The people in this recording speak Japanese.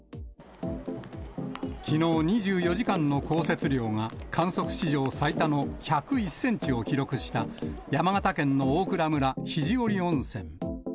きのう、２４時間の降雪量が観測史上最多の１０１センチを記録した、山形県の大蔵村肘折温泉。